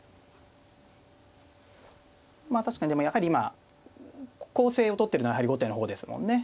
まあ確かにでもやはり今攻勢を取ってるのはやはり後手の方ですもんね。